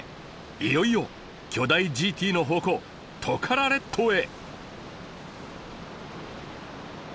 いよいよ巨大ＧＴの宝庫トカラ列島へ！